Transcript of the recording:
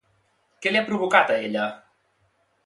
Què li ha provocat a ella?